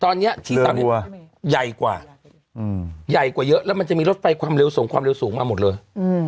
ตอนเนี้ยเลือกหัวใหญ่กว่าอืมใหญ่กว่าเยอะแล้วมันจะมีรถไปความเร็วสูงความเร็วสูงมาหมดเลยอืม